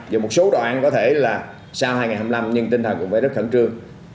và một số đoạn có thể là sau hai ngày hai mươi năm nhưng tinh thần cũng phải rất khẩn trương